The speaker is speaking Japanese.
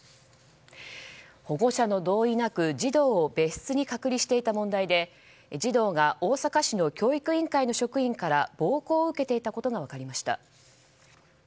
保護者の同意なく児童を別室に隔離していた問題で児童が大阪市の教育委員会の職員から暴行を受けていたことが分かりました。